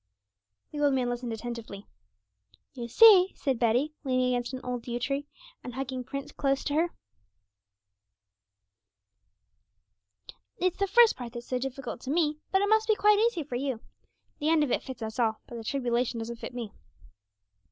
The old man listened attentively. 'You see,' said Betty, leaning against an old yew tree and hugging Prince close to her, 'it's the first part that's so difficult to me, but it must be quite easy for you. The end of it fits us all, but the tribulation doesn't fit me.'